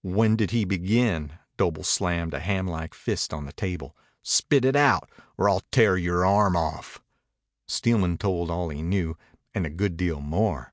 "When did he begin?" Doble slammed a hamlike fist on the table. "Spit it out, or I'll tear yore arm off." Steelman told all he knew and a good deal more.